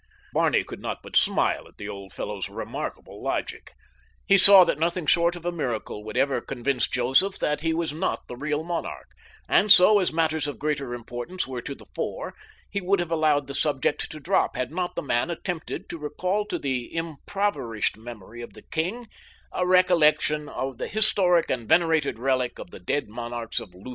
Barney could not but smile at the old fellow's remarkable logic. He saw that nothing short of a miracle would ever convince Joseph that he was not the real monarch, and so, as matters of greater importance were to the fore, he would have allowed the subject to drop had not the man attempted to recall to the impoverished memory of his king a recollection of the historic and venerated relic of the dead monarchs of Lutha.